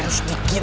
cari banget ya pak